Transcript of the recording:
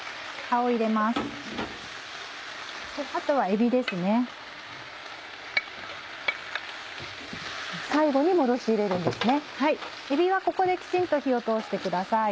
えびはここできちんと火を通してください。